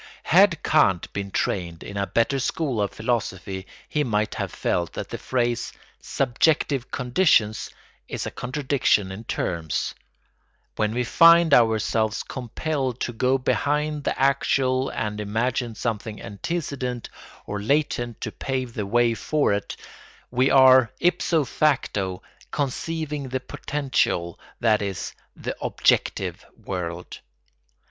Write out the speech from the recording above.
Had Kant been trained in a better school of philosophy he might have felt that the phrase "subjective conditions" is a contradiction in terms. When we find ourselves compelled to go behind the actual and imagine something antecedent or latent to pave the way for it, we are ipso facto conceiving the potential, that is, the "objective" world.